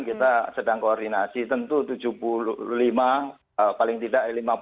kita sedang koordinasi tentu tujuh puluh lima paling tidak lima puluh